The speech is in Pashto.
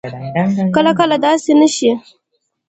کله کله داسې نه شي